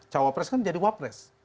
cawapres kan jadi wapres